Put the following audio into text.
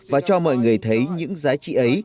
và cho mọi người thấy những giá trị ấy